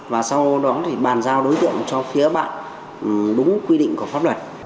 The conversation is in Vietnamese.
và sau đó thì bàn giao đối tượng cho phía bạn đúng quy định của pháp luật